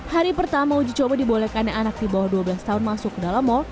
hari pertama uji coba dibolehkan anak di bawah dua belas tahun masuk ke dalam mal